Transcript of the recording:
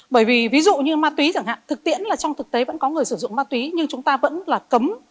bởi vì ví dụ như ma túy chẳng hạn thực tiễn là trong thực tế vẫn có người sử dụng ma túy nhưng chúng ta vẫn là cấm